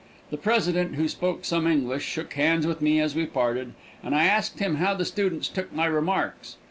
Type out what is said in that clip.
The president, who spoke some English, shook hands with me as we parted, and I asked him how the students took my remarks.